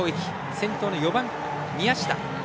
先頭の４番の宮下。